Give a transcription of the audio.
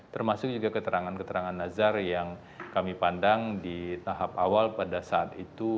termasuk juga keterangan keterangan nazar yang kami pandang di tahap awal pada saat itu